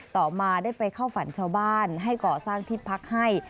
ต่อมาได้ไปเข้าฝันชาวบ้านให้ก่อสร้างที่พักให้